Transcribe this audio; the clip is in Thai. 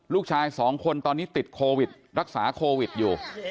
ลูกชายสองคนตอนนี้ติดโควิดรักษาโควิดอยู่